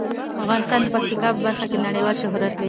افغانستان د پکتیا په برخه کې نړیوال شهرت لري.